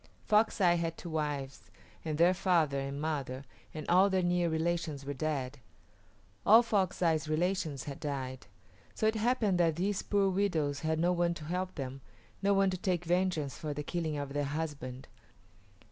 Fox Eye had two wives, and their father and mother and all their near relations were dead. All Fox Eye's relations had died. So it happened that these poor widows had no one to help them no one to take vengeance for the killing of their husband.